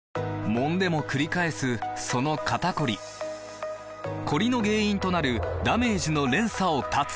もんでもくり返すその肩こりコリの原因となるダメージの連鎖を断つ！